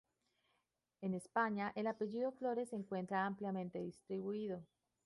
En España, el apellido Flores se encuentra ampliamente distribuido.